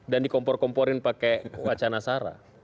dan dikompor komporin pakai wacana sara